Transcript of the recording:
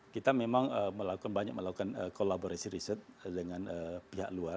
kita memang banyak melakukan kolaborasi riset dengan pihak luar